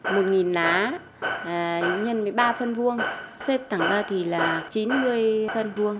một nghìn lá nhân với ba phân vuông xếp tẳng ra thì là chín mươi phân vuông